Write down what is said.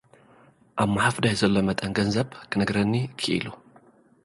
ኣብ ማሕፉዳይ ዘሎ መጠን ገንዘብ ክነግረኒ ክኢሉ።